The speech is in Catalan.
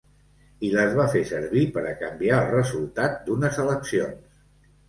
I les va fer servir per a canviar el resultat d’unes eleccions.